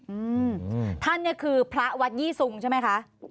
อืมท่านเนี้ยคือพระวัดยี่ซุงใช่ไหมคะ